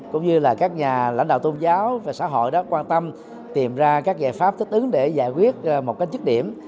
cũng như là các nhà lãnh đạo tôn giáo và xã hội đã quan tâm tìm ra các giải pháp thích ứng để giải quyết một cái chức điểm